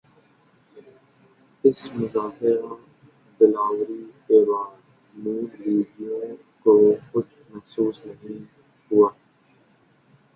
اس مظاہرہ دلاوری کے بعد نون لیگیوں کو کچھ محسوس نہیں ہوا؟